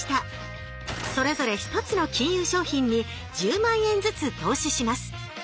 それぞれひとつの金融商品に１０万円ずつ投資します。